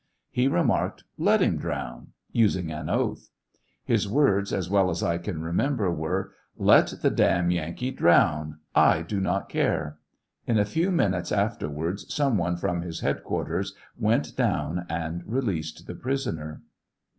He remarked, " Let him drown," usijig an oath. His words, as well as I can remember, were, "Let the damned Tankee drown ; I do not care." In a few minutes afterwards some one from his headquarters went down and released the prisoner.